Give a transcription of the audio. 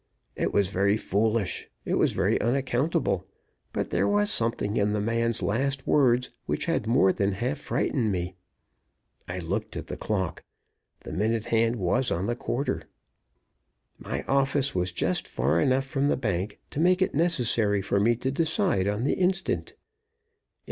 It was very foolish, it was very unaccountable, but there was something in the man's last words which had more than half frightened me. I looked at the clock. The minute hand was on the quarter. My office was just far enough from the bank to make it necessary for me to decide on the instant.